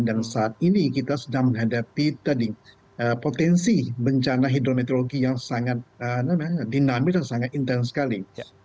dan saat ini kita sedang menghadapi tadi potensi bencana hidrometeorologi yang sangat dinamis dan sangat intens sekali